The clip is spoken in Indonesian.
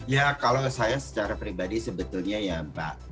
ya kalau saya secara pribadi sebetulnya ya mbak